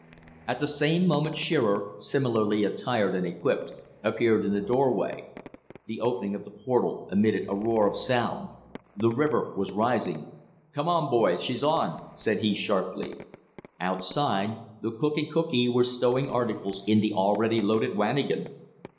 At the same moment Shearer, similarly attired and equipped, appeared in the doorway. The opening of the portal admitted a roar of sound. The river was rising. "Come on, boys, she's on!" said he sharply. Outside, the cook and cookee were stowing articles in the already loaded wanigan.